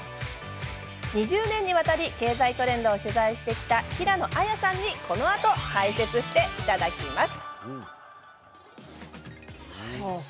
２０年にわたり経済トレンドを取材してきた平野亜矢さんにこのあと解説していただきます。